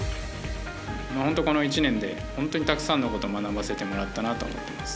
本当、この１年でたくさんのことを学ばせてもらったなと思います。